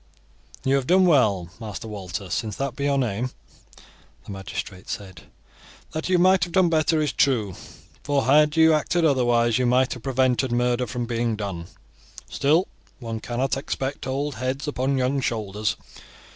"You have done well, Master Walter, since that be your name," the magistrate said. "That you might have done better is true, for had you acted otherwise you might have prevented murder from being done. Still, one cannot expect old heads upon young shoulders.